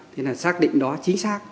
thì xác định đó chính xác